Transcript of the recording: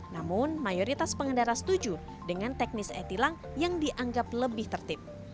namun mayoritas pengendara setuju dengan teknis e tilang yang dianggap lebih tertib